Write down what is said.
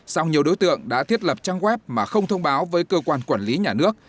sau nhiều đối tượng đã thiết lập trang web mà không thông báo với cơ quan quản lý nhà nước